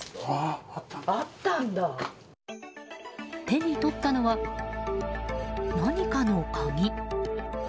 手に取ったのは、何かの鍵。